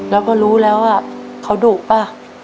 แล้วก็รู้แล้วว่าเขาดุป่ะ